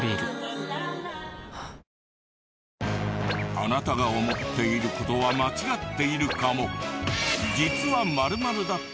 ああなたが思っている事は間違っているかも。